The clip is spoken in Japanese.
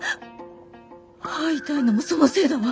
歯痛いのもそのせいだわ。